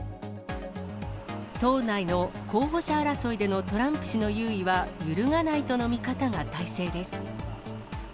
党内の候補者争いでのトランプ氏の優位は揺るがないとの見方が大勢です。